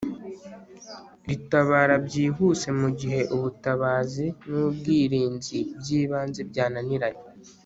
ritabara byihuse mu gihe ubutabazi n'ubwirinzi by'ibanze byananiranye